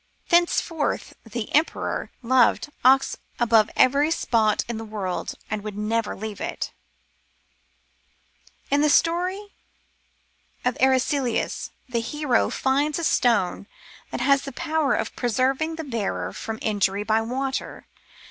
Thenceforth the emperor loved Aix above every spot in the world, and would never leave it In the story of Eraclius, the hero finds a stone that has the power of preserving the bearer from injury by water.